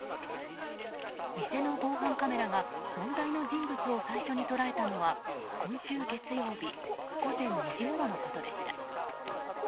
店の防犯カメラが問題の人物を最初に捉えたのは今週月曜日午前２時ごろのことでした。